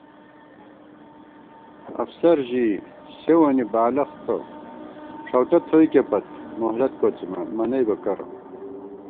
افسر ژِی سېوں وَنی بالَختہ ݭؤٹہ تھوئیکےپت، مہلت کوڅِمان، منَئیبہ کرہ